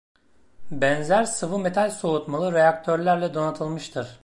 Benzer sıvı metal soğutmalı reaktörlerle donatılmıştır.